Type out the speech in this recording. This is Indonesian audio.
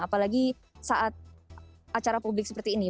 apalagi saat acara publik seperti ini